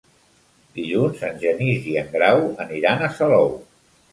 Dilluns en Genís i en Grau aniran a Salou.